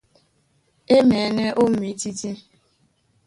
E maɛ̌nɛ́ ó mwǐtítí.